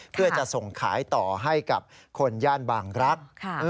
เพื่อจะส่งขายต่อให้กับคนย่านบางรักษ์